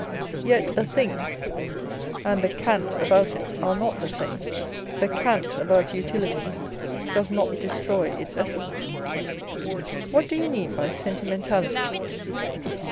Yet a thing and the cant about it are not the same. The cant about Utility docs not destroy its essence. What do you mean by sentimentality